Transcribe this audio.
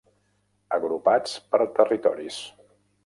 Agrupats per territoris.